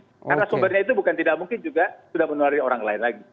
karena sumbernya itu bukan tidak mungkin juga sudah menulari orang lain lagi